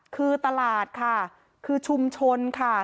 คือตลาดค่ะคือชุมชนค่ะ